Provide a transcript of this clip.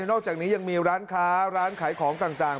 อกจากนี้ยังมีร้านค้าร้านขายของต่าง